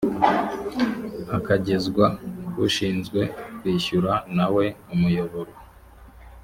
akagezwa k’ushinzwe kwishyura na we umuyoboro